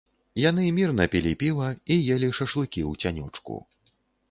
Яны мірна пілі піва і елі шашлыкі ў цянёчку.